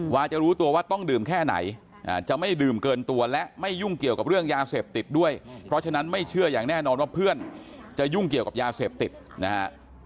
วาจะรู้ตัวว่าต้องดื่มแค่ไหนจะไม่ดื่มเกินตัวและไม่ยุ่งเกี่ยวกับเรื่องยาเสพติดด้วยเพราะฉะนั้นไม่เชื่ออย่างแน่นอนว่าเพื่อนจะยุ่งเกี่ยวกับยาเสพติดนะฮะ